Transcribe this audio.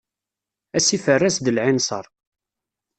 Asif err-as-d lɛinser.